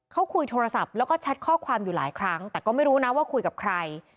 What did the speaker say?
เขาคุยโทรศัพท์แล้วก็แชทข้อความอยู่หลายครั้งแต่ก็ไม่รู้นะว่าคุยกับใคร